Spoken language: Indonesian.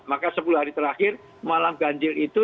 maka sepuluh hari terakhir malam ganjil itu